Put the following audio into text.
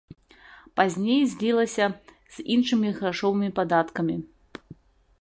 Пазней злілася з іншымі грашовымі падаткамі.